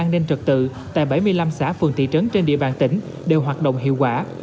an ninh trật tự tại bảy mươi năm xã phường thị trấn trên địa bàn tỉnh đều hoạt động hiệu quả